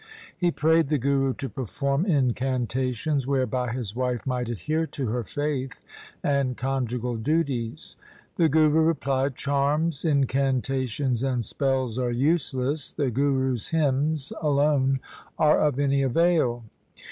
He prayed the Guru to perform incantations whereby his wife might adhere to her faith and conjugal duties. The Guru replied, ' Charms, incantations, and spells are useless. The Gurus' hymns alone are of any avail.